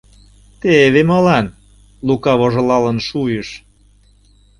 — Теве молан, — Лука вожылалын шуйыш.